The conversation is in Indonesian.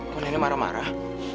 kok nenek marah marah